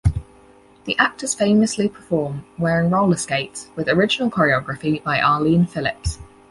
The actors famously perform wearing roller skates, with original choreography by Arlene Phillips.